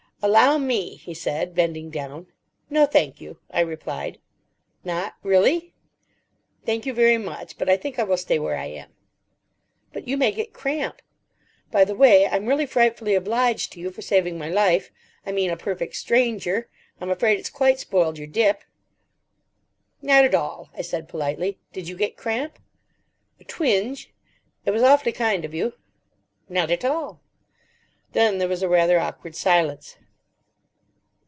"Allow me," he said, bending down. "No, thank you," I replied. "Not, really?" "Thank you very much, but I think I will stay where I am." "But you may get cramp. By the way—I'm really frightfully obliged to you for saving my life—I mean, a perfect stranger—I'm afraid it's quite spoiled your dip." "Not at all," I said politely. "Did you get cramp?" "A twinge. It was awfully kind of you." "Not at all." Then there was a rather awkward silence.